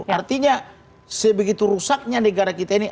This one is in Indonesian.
artinya sebegitu rusaknya negara kita ini